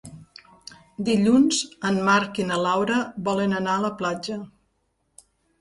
Dilluns en Marc i na Laura volen anar a la platja.